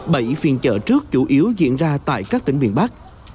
bảy phiên chợ trước chủ yếu diễn ra tại các tỉnh miền bắc